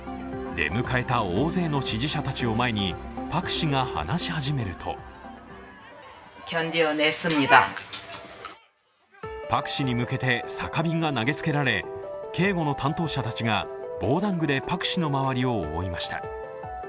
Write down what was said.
出迎えた大勢の支持者たちを前に、パク氏が話し始めるとパク氏に向けて酒瓶が投げつけられ、警護の担当者たちが防弾具でパク氏の周りを覆いました。